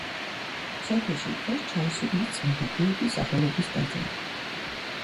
სოფელში დგას ჩაისუბნის წმინდა გიორგის სახელობის ტაძარი.